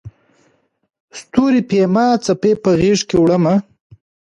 ستوري پېیمه څپې په غیږکې وړمه